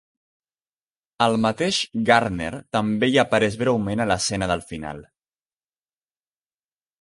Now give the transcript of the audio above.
El mateix Gardner també hi apareix breument a l'escena del final.